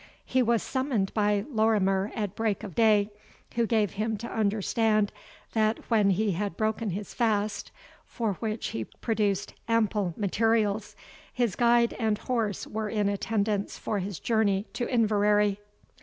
He was summoned by Lorimer at break of day, who gave him to understand, that, when he had broken his fast, for which he produced ample materials, his guide and horse were in attendance for his journey to Inverary.